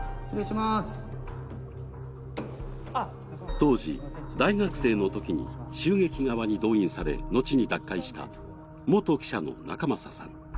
当時、大学生のときに襲撃側に動員され、後に脱会した元記者の仲正さん。